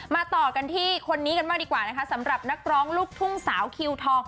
ต่อกันที่คนนี้กันบ้างดีกว่านะคะสำหรับนักร้องลูกทุ่งสาวคิวทอง